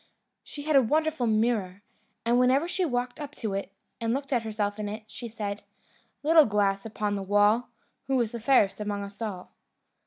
She had a wonderful mirror, and whenever she walked up to it, and looked at herself in it, she said: "Little glass upon the wall, Who is fairest among us all?"